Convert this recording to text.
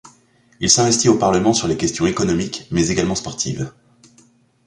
Il s'investit au Parlement sur les questions économiques mais également sportives.